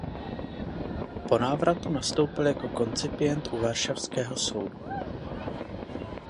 Po návratu nastoupil jako koncipient u varšavského soudu.